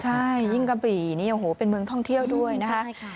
ใช่ยิ่งกะบี่นี่โอ้โหเป็นเมืองท่องเที่ยวด้วยนะคะ